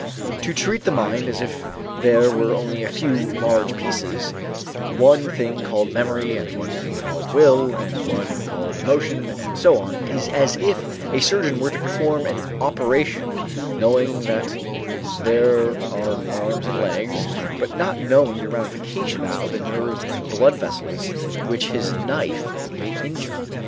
To treat the mind as if there were only a few large pieces, one thing called memory and one thing called will and one called emotion and so on, is as if a surgeon were to perform an operation, knowing that there are arms and legs, but not knowing the ramifications of the nerves and blood vessels which his knife may injure.